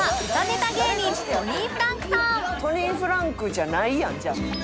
「トニーフランクじゃないやんじゃあ」